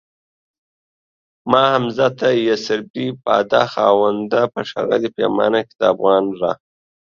ما حمزه ته يسربی باده خاونده په ښاغلي پیمانه کي دافغان را